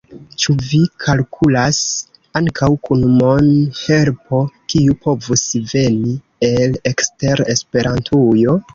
Ĉu vi kalkulas ankaŭ kun mon-helpo kiu povus veni el ekster Esperantujo?